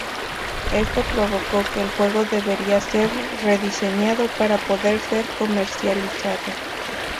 Esto provocó que el juego debiera ser rediseñado para poder ser comercializado.